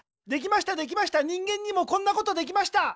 できましたできました人間にもこんなことできました。